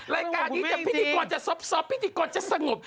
รายการนี้พิธีกรจะซอบ